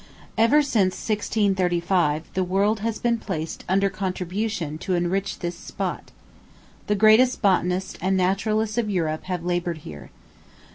Ever since 1635, the world has been placed under contribution to enrich this spot. The greatest botanists and naturalists of Europe have labored here.